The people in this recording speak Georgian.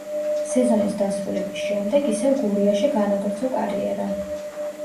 სეზონის დასრულების შემდეგ ისევ „გურიაში“ განაგრძო კარიერა.